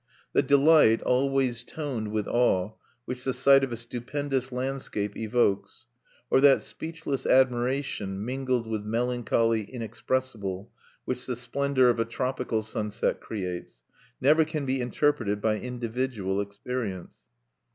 The delight, always toned with awe, which the sight of a stupendous landscape evokes; Or that speechless admiration, mingled with melancholy inexpressible, which the splendor of a tropical sunset creates, never can be interpreted by individual experience.